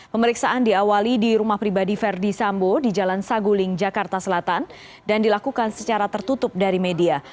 pemeriksaan diawali di rumah pribadi verdi sambo di jalan saguling jakarta selatan dan dilakukan secara tertutup dari media